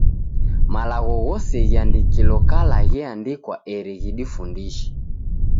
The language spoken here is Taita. Malagho ghose ghiandikilo kala gheandikwa eri ghidifundishe.